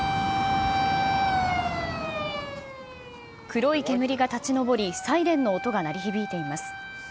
黒い煙が立ち上り、サイレンの音が鳴り響いています。